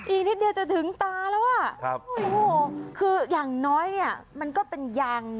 อีกนิดเดียวจะถึงตาแล้วอ่ะคืออย่างน้อยนี่มันก็เป็นยาง